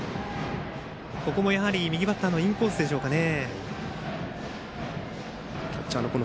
ここも右バッターのインコースでしょうかね。